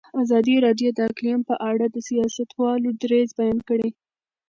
ازادي راډیو د اقلیم په اړه د سیاستوالو دریځ بیان کړی.